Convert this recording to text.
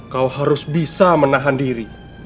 kau harus bisa menahan diri